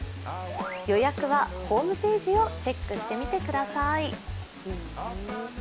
予約はホームページをチェックしてみてください。